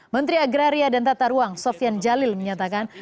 menteri agraria dan tata ruang sofian jalil menyatakan